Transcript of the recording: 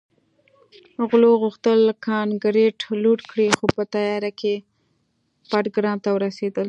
غلو غوښتل کانګړه لوټ کړي خو په تیاره کې بټګرام ته ورسېدل